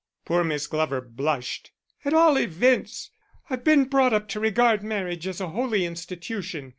Poor Miss Glover blushed. "At all events I've been brought up to regard marriage as a holy institution.